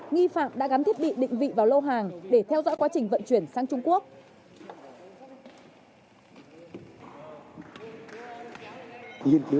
nghi phạm đã gắn thiết bị định vị vào lô hàng để theo dõi quá trình vận chuyển sang trung quốc